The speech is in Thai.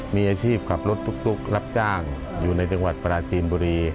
มีอาชีพขับรถตุ๊กรับจ้างอยู่ในจังหวัดปราจีนบุรี